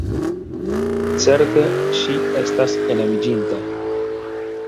Certe ŝi estas enamiĝinta.